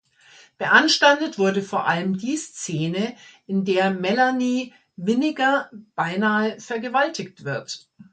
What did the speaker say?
Beanstandet wurde vor allem die Szene, in der Melanie Winiger beinahe vergewaltigt wird.